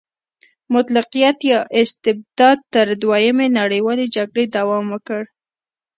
مطلقیت یا استبداد تر دویمې نړیوالې جګړې دوام وکړ.